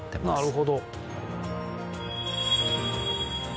なるほど。